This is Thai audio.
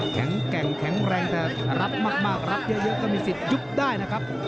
แข็งแกร่งแข็งแรงแต่รับมากรับเยอะก็มีสิทธิ์ยุบได้นะครับ